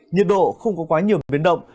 nhiệt độ không có quá nhiều biến động